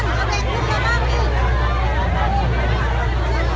ก็ไม่มีเวลาให้กลับมาเท่าไหร่